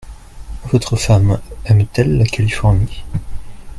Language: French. Votre femme aime-t-elle la Californie ?